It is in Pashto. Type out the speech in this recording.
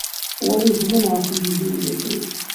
ولي ژمنه او قرارداد وکړي.